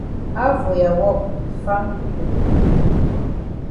How for ya wok wit farm pipo dem?